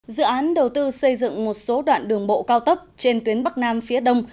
dự án đầu tư xây dựng một số đoạn đường bộ cao tốc trên tuyến bắc nam phía đông